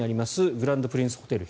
グランドプリンスホテル